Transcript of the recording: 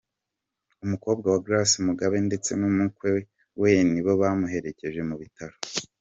Umukobwa wa Grace Mugabe ndetse n’umukwe we nibo bamuherekeje mu bitaro.